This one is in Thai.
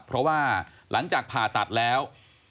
เพราะว่าหลังจากผ่าตัดแล้ว